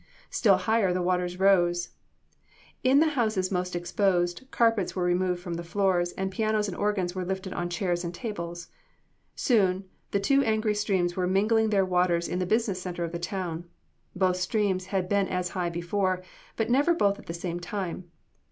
Still higher the waters rose. In the houses most exposed, carpets were removed from the floors, and pianos and organs were lifted on chairs and tables. Soon the two angry streams were mingling their waters in the business center of the town. Both streams had been as high before, but never both at the same time.